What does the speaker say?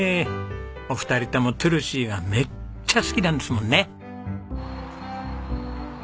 お二人ともトゥルシーがめっちゃ好きなんですもんね。